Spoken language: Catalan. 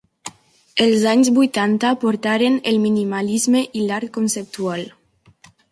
Els anys vuitanta portaren el minimalisme i l'art conceptual.